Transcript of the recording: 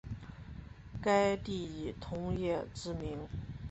该地以铜业知名。